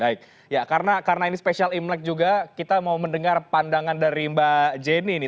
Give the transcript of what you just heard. baik ya karena ini spesial imlek juga kita mau mendengar pandangan dari mbak jenny nih